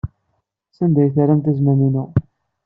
Sanda ay terramt azmam-inu?